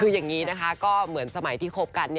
คืออย่างนี้นะคะก็เหมือนสมัยที่คบกัน